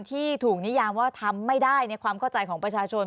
ที่ถูกนิยามว่าทำไม่ได้ในความเข้าใจของประชาชน